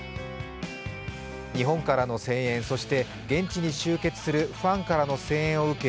日本からの声援、そして現地に集結するファンからの声援を受け